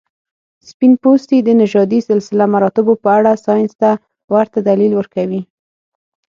سپین پوستي د نژادي سلسله مراتبو په اړه ساینس ته ورته دلیل ورکوي.